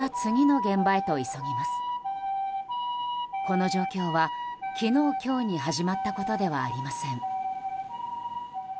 この状況は、昨日今日に始まったことではありません。